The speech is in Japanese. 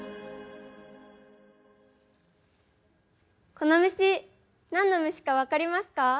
この虫何の虫か分かりますか？